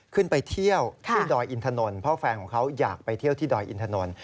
ขึ้นไปเที่ยวที่ดอยอินทนนท์เพราะแฟนของเขาอยากไปเที่ยวที่ดอยอินถนน